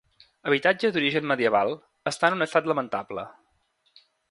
Habitatge d'origen medieval, està en un estat lamentable.